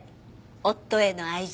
夫への愛情。